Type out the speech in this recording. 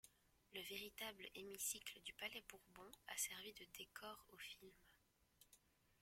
Le véritable hémicycle du Palais Bourbon a servi de décor au film.